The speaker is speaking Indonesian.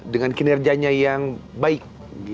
dengan kinerjanya yang baik